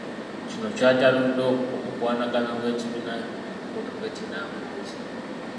Kino kyatanudde omukwanaganya w'ekibiina mu Mukono, Betty Nambooze.